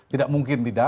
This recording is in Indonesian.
tidak mungkin tidak